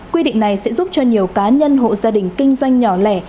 quy định này sẽ giúp cho nhiều cá nhân hộ gia đình kinh doanh nhỏ lẻ